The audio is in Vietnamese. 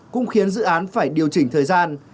cũng khiến dự án phải điều chỉnh thời gian